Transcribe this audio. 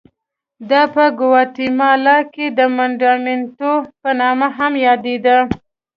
دا په ګواتیمالا کې د منډامینټو په نامه هم یادېده.